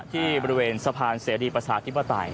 ที่บริเวณสะพานเสรีประชาธิปไตย